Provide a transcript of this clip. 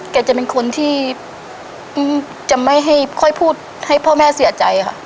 จะเป็นคนที่จะไม่ให้ค่อยพูดให้พ่อแม่เสียใจค่ะ